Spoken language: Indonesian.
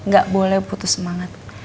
gak boleh putus semangat